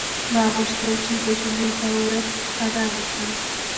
ما غوښتل چې د جمعې په ورځ ارام وکړم.